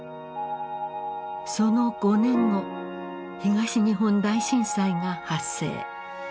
その５年後東日本大震災が発生。